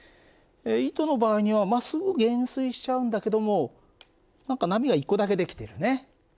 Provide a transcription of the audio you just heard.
糸の場合にはすぐ減衰しちゃうんだけども何か波が１個だけ出来てるね。